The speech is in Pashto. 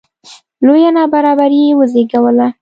لویه نابرابري یې وزېږوله